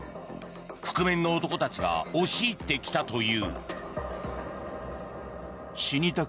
覆面の男たちが押し入ってきたという。